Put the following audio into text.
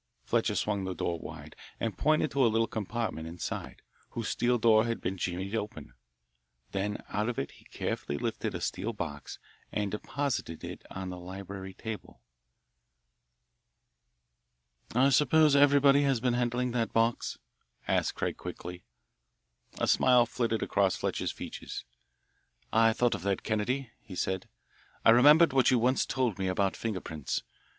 Fletcher swung the door wide, and pointed to a little compartment inside, whose steel door had been jimmied open. Then out of it he carefully lifted a steel box and deposited it on the library table. "I suppose everybody has been handling that box?" asked Craig quickly. A smile flitted across Fletcher's features. "I thought of that, Kennedy," he said. "I remembered what you once told me about finger prints.